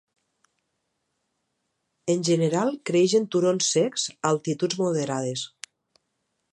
En general creix en turons secs a altituds moderades.